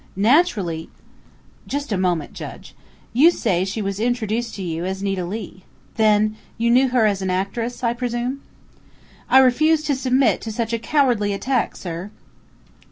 Naturally " "Just a moment, Judge. You say she was introduced to you as Nita Leigh. Then you knew her as an actress, I presume?" "I refuse to submit to such a cowardly attack, sir!"